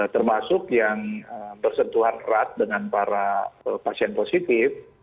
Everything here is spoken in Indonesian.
termasuk yang bersentuhan erat dengan para pasien positif